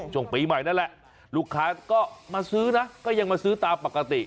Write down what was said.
ช่วงปีใหม่นั่นแหละลูกค้าก็มาซื้อนะก็ยังมาซื้อตามปกติ